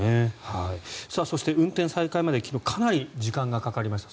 そして、運転再開まで昨日かなり時間がかかりました。